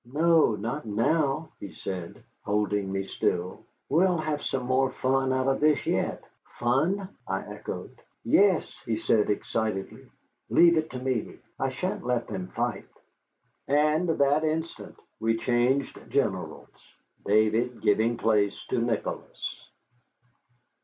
"No, not now," he said, holding me still. "We'll have some more fun out of this yet." "Fun?" I echoed. "Yes," he said excitedly. "Leave it to me. I shan't let them fight." And that instant we changed generals, David giving place to Nicholas.